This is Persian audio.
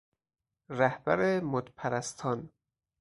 رهبر مدپرستان